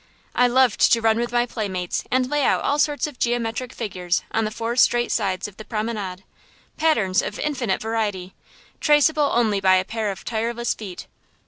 I loved to run with my playmates and lay out all sorts of geometric figures on the four straight sides of the promenade; patterns of infinite variety, traceable only by a pair of tireless feet.